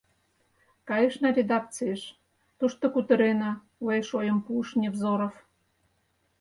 — Кайышна редакцийыш, тушто кутырена, — уэш ойым пуыш Невзоров.